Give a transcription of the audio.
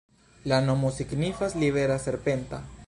La nomo signifas libera-serpenta.